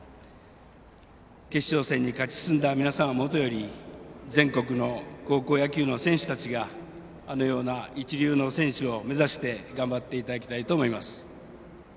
決勝戦に勝ち進んだ皆さんはもとより全国の高校野球の選手たちがあのような一流の選手を目指して頑張っていただきたいと思います。